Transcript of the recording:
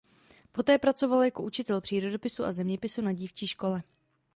Poté pracoval jako učitel přírodopisu a zeměpisu na dívčí škole.